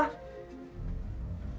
makanya sekalian pak